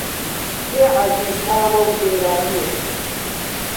کێ عەزیز ناوە و ئێرانییە؟